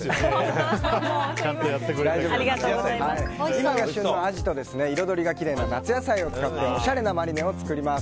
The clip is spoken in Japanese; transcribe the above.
今が旬のアジと彩りがきれいな夏野菜を使っておしゃれなマリネを作ります。